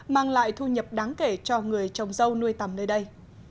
mang lại thu nhập đáng kể cho người trồng dâu nuôi tầm nơi đây